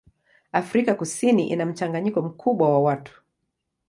Afrika Kusini ina mchanganyiko mkubwa wa watu.